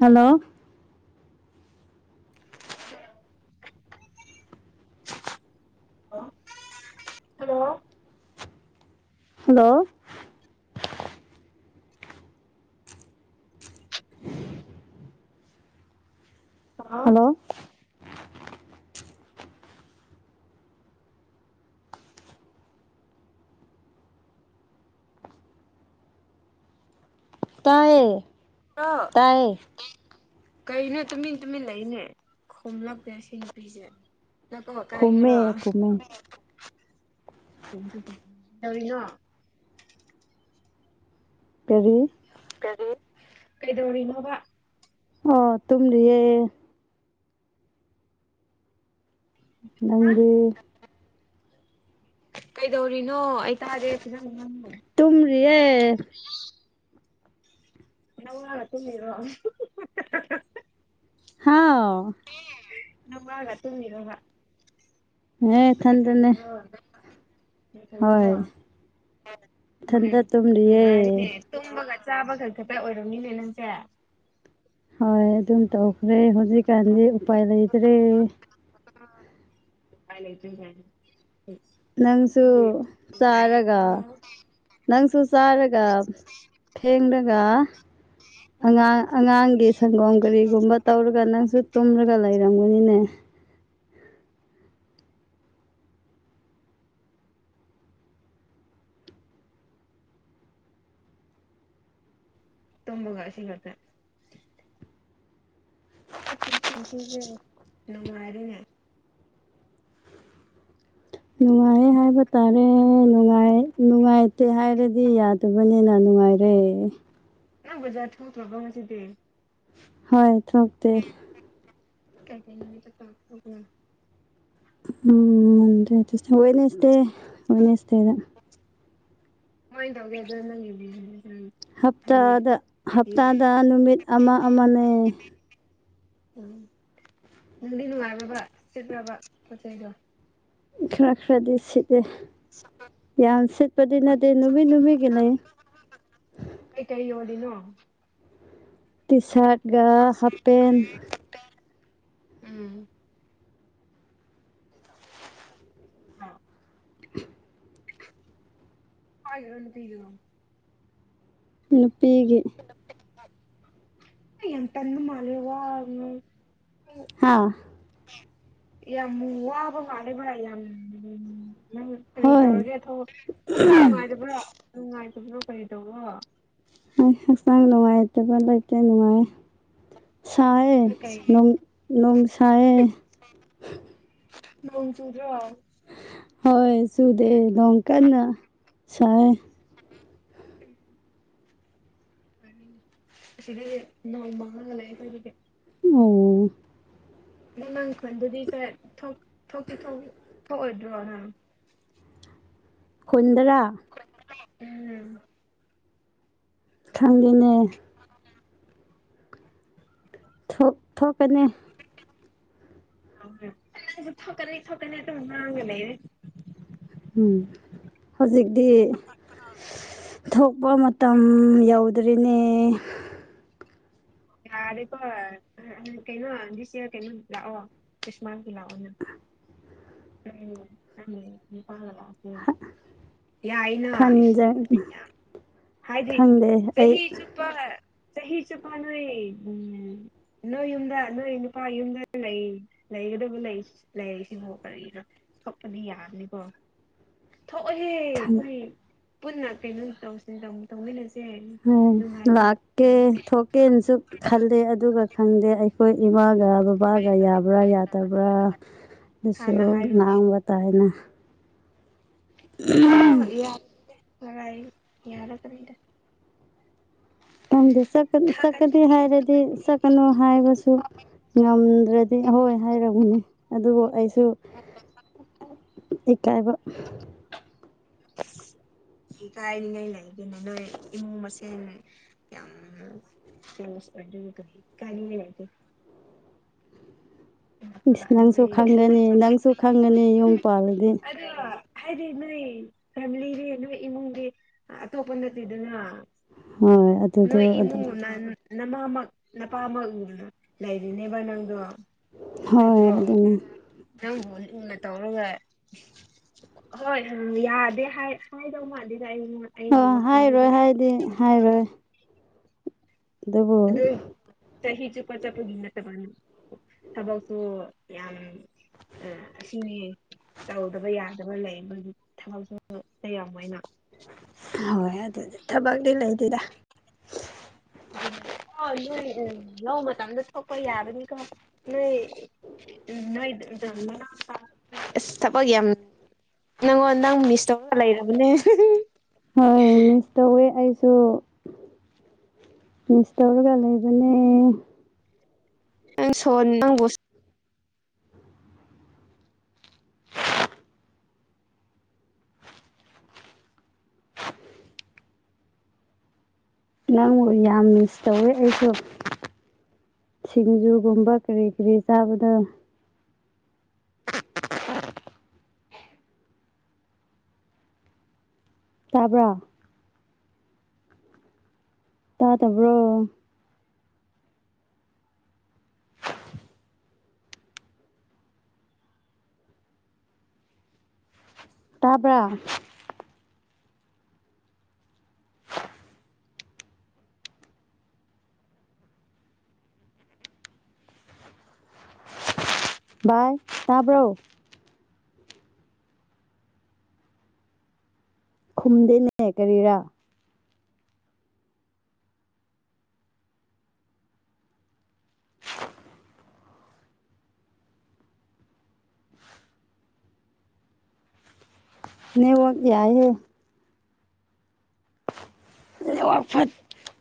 hello [inaudible] [unintelligible] hello hello [inaudible] hello [unintelligible] ꯇꯥꯏꯌꯦ [unintelligible] ꯇꯥꯏꯌꯦ ꯀꯩꯅꯣ ꯇꯨꯃꯤꯟ ꯇꯨꯃꯤꯟ ꯂꯩꯅꯦ ꯈꯨꯝꯂꯛꯇꯦ ꯁꯤ ꯅꯨꯄꯤꯁꯦ ꯅ ꯀꯣꯛ ꯀꯥꯏꯒꯦꯔꯣ ꯈꯨꯝꯃꯦ ꯈꯨꯝꯃꯦ [unintelligible] ꯀꯔꯤꯅꯣ ꯀꯔꯤ ꯀꯔꯤ ꯀꯩꯗꯧꯔꯤꯅꯣꯕꯥ ꯑꯣ ꯇꯨꯝꯂꯤꯌꯦ ꯅꯪꯗꯤ ꯀꯩꯗꯧꯔꯤꯅꯣ ꯑꯩ ꯇꯥꯗꯦ ꯐꯖꯅ ꯅꯪꯕꯨ ꯇꯨꯝꯔꯤꯌꯦ [unintelligible] ꯍꯥꯎ [unintelligible] ꯑꯦ ꯏꯊꯟꯗꯅꯦ [unintelligible] ꯍꯣꯏ ꯏꯊꯟꯇ ꯇꯨꯝꯔꯤꯌꯦ ꯇꯨꯝꯕꯒ ꯆꯥꯕꯒ ꯈꯛꯇ ꯑꯣꯏꯔꯝꯅꯤꯅꯦ ꯅꯪꯁꯦ ꯍꯣꯏ ꯑꯗꯨꯝ ꯇꯧꯈ꯭ꯔꯦ ꯍꯧꯖꯤꯛꯀꯥꯟꯗꯤ ꯎꯄꯥꯏ ꯂꯩꯇ꯭ꯔꯦ ꯎꯝ ꯎꯄꯥꯏ ꯂꯩꯇ꯭ꯔꯦꯅꯦ ꯎꯝ ꯅꯪꯁꯨ ꯃꯤꯗꯤ ꯆꯥꯔꯒ ꯅꯨꯉꯥꯏꯔꯦꯀꯣ ꯅꯪꯁꯨ ꯆꯥꯔꯒ ꯐꯦꯡꯂꯒ ꯑꯉꯥꯡ ꯑꯉꯥꯡꯒꯤ ꯁꯪꯒꯣꯝ ꯀꯔꯤꯒꯨꯝꯕ ꯇꯧꯔꯒ ꯅꯪꯁꯨ ꯇꯨꯝꯂꯒ ꯂꯩꯔꯝꯒꯅꯤꯅꯦ ꯇꯨꯝꯕꯒ ꯑꯁꯤꯉꯥꯛꯇ ꯑꯩ ꯄꯨꯟꯁꯤ [unintelligible] ꯅꯨꯉꯥꯏꯔꯦꯅꯦ ꯅꯨꯡꯉꯥꯏꯌꯦ ꯍꯥꯏꯕ ꯇꯥꯔꯦ ꯅꯨꯡꯉꯥꯏ ꯅꯨꯡꯉꯥꯏꯇꯦ ꯍꯥꯏꯔꯥꯗꯤ ꯌꯥ [unintelligible] ꯅꯨꯡꯉꯥꯏꯔꯦ ꯅꯪ ꯕꯖꯥꯔ ꯊꯣꯛꯇ꯭ꯔꯕ꯭ꯔꯥ ꯉꯁꯤꯗꯤ ꯍꯥꯏ ꯊꯣꯛꯇꯦ ꯀꯩ ꯀꯩ ꯅꯨꯃꯤꯠꯇ [unintelligible] [inaudible] ꯎꯝ ꯃꯟꯗꯦ ꯇꯨꯢꯗꯦ ꯋꯥꯏꯅꯁꯗꯦ ꯋꯥꯏꯅꯁꯗꯦꯗ [unintelligible] ꯍꯞꯇꯥꯗ ꯍꯞꯇꯥꯗ ꯅꯨꯃꯤꯠ ꯑꯃꯥ ꯑꯃꯥꯅꯦ ꯎꯝ ꯅꯨꯡꯗꯤ ꯅꯨꯡꯉꯥꯏꯕ꯭ꯔꯥꯕ ꯁꯤꯠꯄ꯭ꯔꯥꯕ ꯄꯣꯠ ꯆꯩꯗꯣ ꯈ꯭ꯔ ꯈ꯭ꯔꯗꯤ ꯁꯤꯠꯂꯦ ꯌꯥꯝ ꯁꯤꯠꯄꯗꯤ ꯅꯠꯇꯦ ꯅꯨꯃꯤꯠ ꯅꯨꯃꯤꯠꯒꯤ ꯂꯩꯌꯦ ꯀꯩ ꯀꯩ ꯌꯣꯜꯂꯤꯅꯣ ꯇꯤꯁꯥꯠꯒꯥ ꯍꯥꯞꯄꯦꯟ [inaudible] ꯎꯝ [inaudible] [unintelligible] [inaudible] ꯅꯨꯄꯤꯒꯤ ꯑꯩ ꯌꯥꯝ ꯇꯟꯕ ꯃꯥꯜꯂꯦ [unintelligible] ꯍꯥ ꯌꯥꯝ ꯋꯥꯕ ꯃꯥꯜꯂꯦꯕ ꯌꯥꯝ ꯀꯔꯤ ꯍꯣꯏ ꯇꯧꯔꯒꯦ ꯊꯧ ꯍꯛꯆꯥꯡ ꯅꯨꯡꯉꯥꯏꯇꯕ꯭ꯔꯣ ꯅꯨꯡꯉꯥꯏꯇꯕ꯭ꯔꯣ ꯀꯔꯤ ꯇꯧꯕꯔꯣ [inaudible] ꯍꯛꯆꯥꯡ ꯅꯨꯡꯉꯥꯏꯇꯕ ꯂꯩꯇꯦ ꯅꯨꯡꯉꯥꯏ ꯁꯥꯢꯌꯦ ꯅꯣꯡ ꯅꯣꯡ ꯁꯥꯢꯌꯦ ꯅꯣꯡ ꯆꯨꯗ꯭ꯔꯣ ꯍꯣꯏ ꯆꯨꯗꯦ ꯅꯣꯡ ꯀꯟꯅ ꯁꯥꯏꯌꯦ [inaudible] [inaudible] ꯁꯤꯗꯤ ꯅꯣꯡ ꯃꯥꯡꯉꯒ ꯂꯩ ꯑꯩꯈꯣꯢꯒꯤꯗꯤ [unintelligible] [inaudible] [unintelligible] ꯊꯣꯛ ꯊꯣꯛꯇꯤ ꯊꯣꯛ ꯊꯣꯛꯑꯣꯢꯗ꯭ꯔꯣ ꯅꯪ ꯈꯨꯟꯗꯔꯥ ꯎꯝ ꯈꯪꯗꯦꯅꯦ [inaudible] ꯊꯣꯛ ꯊꯣꯛꯀꯥꯅꯤ [inaudible] ꯊꯣꯛꯀꯅꯤ ꯊꯣꯛꯀꯅꯤ ꯑꯗꯨꯝ ꯉꯥꯡꯉꯥꯂꯩ ꯎꯝ ꯍꯧꯖꯤꯛꯇꯤ ꯊꯣꯛꯄꯥ ꯃꯇꯝ ꯌꯧꯗ꯭ꯔꯤꯅꯦ ꯌꯥꯔꯦꯀꯣ ꯀꯩꯅꯣ ꯗꯤꯁ ꯌꯔ ꯀꯩꯅꯣ ꯂꯥꯛꯑꯣ ꯈꯤꯁꯃꯥꯁꯀꯤ ꯂꯥꯛꯑꯣꯅꯦ ꯎꯝ ꯎꯝ [unintelligible] [inaudible] ꯌꯥꯏꯅ ꯈꯟꯖ ꯢꯁ ꯍꯥꯏꯗꯤ ꯈꯪꯗꯦ ꯑꯩ ꯆꯍꯤ ꯆꯨꯞ ꯄꯥ ꯆꯍꯤ ꯆꯨꯞꯄ ꯅꯣꯢ ꯎꯝ ꯅꯣꯏ ꯌꯨꯝꯗ ꯅꯣꯏ ꯅꯨꯄꯥꯒꯤ ꯌꯨꯝꯗ ꯂꯩ ꯂꯩꯒꯗꯕ ꯂꯩꯔꯤꯁꯤꯕꯨ ꯀꯔꯤꯅꯣ ꯊꯣꯛꯄꯗꯤ ꯌꯥꯕꯅꯤꯀꯣ ꯊꯣꯛꯑꯣꯍꯦ ꯈꯪ [unintelligible] ꯄꯨꯟꯅ ꯀꯩꯅꯣ ꯇꯧꯁ [inaudible] ꯇꯧꯃꯤꯟꯅꯁꯦ ꯅꯨꯡꯉꯥꯏꯃꯤꯟ [inaudible] ꯇꯦꯟꯁꯨ ꯈꯜꯂꯦ ꯑꯗꯨꯒ ꯈꯪꯗꯦ ꯑꯩ ꯑꯩꯈꯣꯏ ꯏꯃꯥꯒ ꯕꯕꯥꯒ ꯌꯥꯕ꯭ꯔꯥ ꯌꯥꯗꯕ꯭ꯔꯥ ꯑꯗꯨꯁꯨ ꯉꯥꯡꯕ ꯇꯥꯔꯦꯅ [unintelligible] ꯇꯝꯗ ꯆꯠꯀꯅꯨ ꯆꯠꯀꯅꯤ ꯍꯥꯏꯔꯗꯤ ꯆꯠꯀꯅꯨ ꯍꯥꯏꯕꯁꯨ ꯉꯝꯗ꯭ꯔꯗꯤ ꯑꯍꯣꯏ ꯍꯥꯏꯔꯕꯅꯦ ꯑꯗꯨꯕꯨ ꯑꯩꯁꯨ ꯏꯀꯥꯏꯕ ꯏꯀꯥꯏꯔꯤꯉꯩ ꯂꯩꯒꯤꯅꯦ ꯅꯣꯏ ꯏꯃꯨꯡ ꯃꯁꯦꯟ ꯌꯥꯝ ꯀ꯭ꯂꯣꯁ ꯑꯣꯢꯗꯣꯢꯅꯦꯀꯣ ꯢꯀꯥꯢꯅꯤꯡꯉꯥꯢ ꯂꯩꯇꯦ ꯏꯁ ꯅꯪꯁꯨ ꯈꯪꯒꯅꯤ ꯅꯪꯁꯨ ꯈꯪꯒꯅꯤ ꯌꯨꯝ ꯄꯥꯜꯂꯗꯤ ꯍꯥꯏꯗꯤ ꯅꯣꯏ ꯐꯦꯃꯤꯂꯤꯒꯤ ꯅꯣꯏ ꯏꯃꯨꯡꯒꯤ ꯑꯇꯣꯞꯄ ꯅꯠꯇꯦꯗꯅ ꯍꯣꯏ ꯑꯗꯨꯗꯣ ꯅꯣꯏ ꯑꯗꯨ ꯏꯃꯨꯡ ꯅꯥꯟ ꯅꯃꯥꯃꯛ ꯅꯄꯥꯃꯛ ꯂꯩꯔꯤꯅꯦꯕ ꯅꯪꯗꯣ ꯍꯣꯏ ꯅꯠꯇ꯭ꯔꯣ ꯑꯗꯨꯅꯤ ꯅꯪꯕꯨ ꯂꯨꯅ ꯇꯧꯔꯒ ꯍꯣꯏ ꯌꯥꯗꯦ ꯍꯥꯏꯗꯧ ꯃꯥꯟꯗꯦꯗ ꯑꯩ ꯑꯣ ꯍꯥꯏꯔꯣꯏ ꯍꯥꯏꯗꯤ ꯍꯥꯏꯔꯣꯏ ꯑꯗꯨꯕꯨ ꯑꯗꯨ ꯆꯍꯤ ꯆꯨꯞꯄ ꯆꯠꯄꯒꯤ ꯅꯠꯇꯕ ꯊꯕꯛꯁꯨ ꯌꯥꯝ ꯑꯁꯤꯅꯤ ꯇꯧꯗꯕ ꯌꯥꯏ ꯗꯕ ꯂꯩ ꯃꯣꯏꯗꯤ ꯊꯕꯛ [unintelligible] ꯌꯥꯝꯃꯣꯏꯅ ꯍꯣꯏ ꯑꯗꯨꯗꯤ ꯊꯕꯛꯇꯤ ꯂꯩꯇꯦꯗ [unintelligible] ꯑꯣ ꯅꯣꯏ ꯂꯧꯃꯇꯝꯗ ꯊꯣꯛꯄ ꯌꯥꯕꯅꯤꯀꯣ ꯅꯣꯏ ꯎꯝ ꯅꯣꯏ [unintelligible] ꯏꯁ ꯊꯕꯀ ꯌꯥꯝ ꯅꯪꯉꯣꯟ ꯅꯪ ꯃꯤꯁ ꯇꯧꯔꯒ ꯂꯩꯔꯕꯅꯦ ꯍꯣꯏ ꯇꯧꯋꯦ ꯑꯩꯁꯨ ꯃꯤꯁ ꯇꯧꯔꯒ ꯂꯩꯕꯅꯦ [unintelligible] ꯅꯪꯕꯨ ꯌꯥꯝ ꯃꯤꯁ ꯇꯧꯋꯦ ꯑꯩꯁꯨ ꯁꯤꯡꯖꯨꯒꯨꯝꯕ ꯀꯔꯤ ꯀꯔꯤ ꯆꯥꯕꯗ ꯇꯥꯕ꯭ꯔꯥ ꯇꯥꯗꯕ꯭ꯔꯣ ꯇꯥꯕꯔ ꯚꯥꯏ ꯇꯥꯕ꯭ꯔꯣ ꯈꯨꯝꯗꯦꯅꯦ ꯀꯔꯤꯔꯥ ꯅꯦꯠꯋꯥꯛ ꯌꯥꯏꯍꯦ ꯅꯦꯋꯥꯛ ꯐꯠ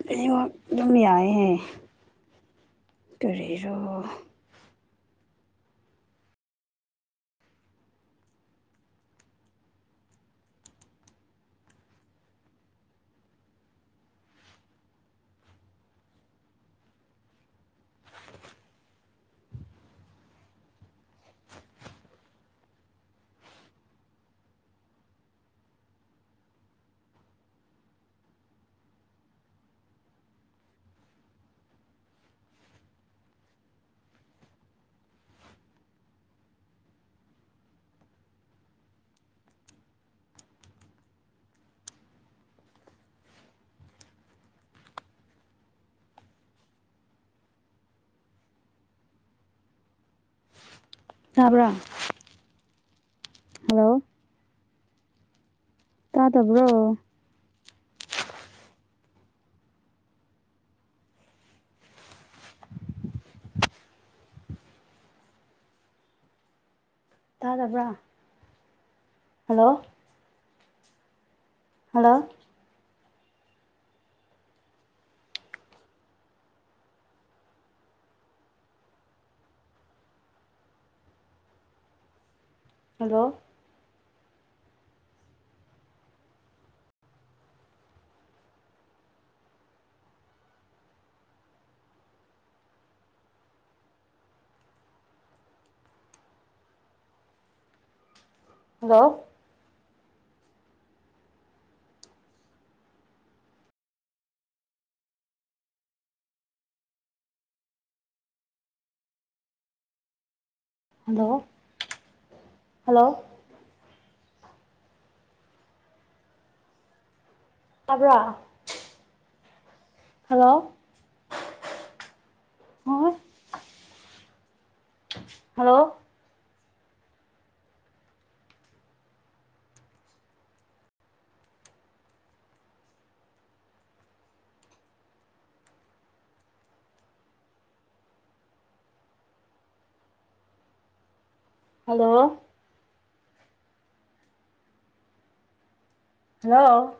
ꯂꯩꯋꯥꯛ ꯑꯗꯨꯝ ꯌꯥꯏꯍꯦ ꯀꯔꯤꯔꯣ ꯇꯥꯕ꯭ꯔ ꯍꯜꯂꯣ ꯇꯥꯗꯕ꯭ꯔꯣ ꯇꯥꯗꯕ꯭ꯔꯥ hello hello hello hello hello hello ꯇꯥꯕ꯭ꯔꯣ ꯍꯜꯂꯣ ꯍꯣꯏ ꯍꯜꯂꯣ ꯍꯜꯂꯣ ꯍꯜꯂꯣ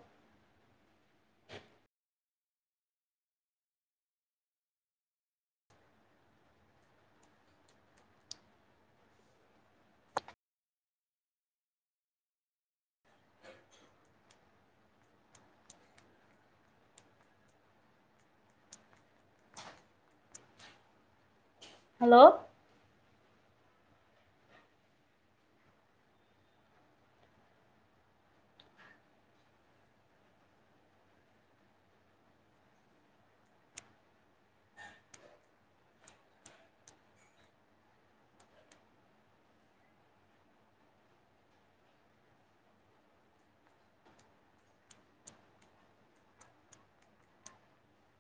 ꯍꯜꯂꯣ